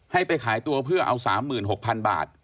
ให้ไปขายตัวเพื่อเอา๓๖๐๐๐บาท